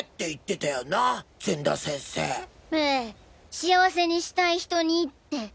幸せにしたい人にって。